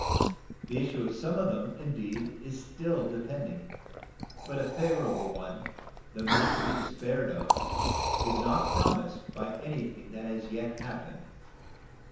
The issue of some of them, indeed, is still depending, but a favorable one, though not to be despaired of, is not promised by anything that has yet happened.